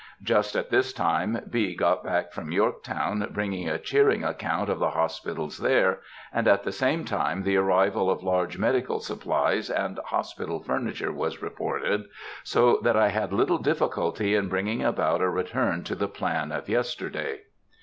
Just at this time B. got back from Yorktown, bringing a cheering account of the hospitals there, and at the same time the arrival of large medical supplies and hospital furniture was reported, so that I had little difficulty in bringing about a return to the plan of yesterday.